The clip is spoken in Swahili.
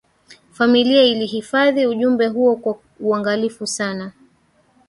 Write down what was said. familia iliihifadhi ujumbe huo kwa uangalifu sana